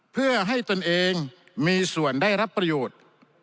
เพื่อให้ตนเองมีส่วนได้รับประโยชน์